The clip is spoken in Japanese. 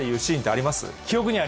ありますか？